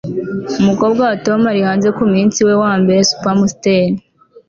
Umukobwa wa Tom ari hanze kumunsi we wambere Spamster